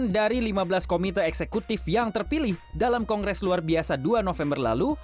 sembilan dari lima belas komite eksekutif yang terpilih dalam kongres luar biasa dua november lalu